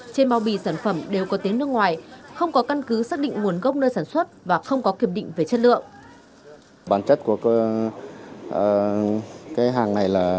trên bao bì sản phẩm đều có tiếng nước ngoài không có căn cứ xác định nguồn gốc nơi sản xuất và không có kiểm định về chất lượng